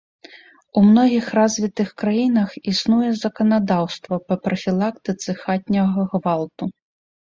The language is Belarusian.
У многіх развітых краінах існуе заканадаўства па прафілактыцы хатняга гвалту.